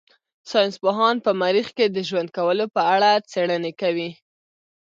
ساينس پوهان په مريخ کې د ژوند کولو په اړه څېړنې کوي.